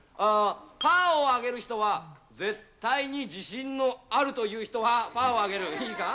パーを挙げる人は絶対に自信のあるという人は、パーを挙げる、いいか？